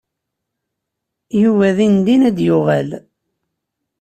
Yuba dindin ad d-yuɣal.